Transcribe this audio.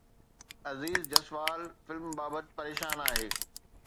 Uzair Jaswal film بابت پريشان آهي